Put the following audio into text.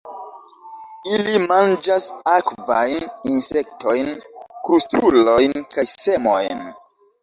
Ili manĝas akvajn insektojn, krustulojn kaj semojn.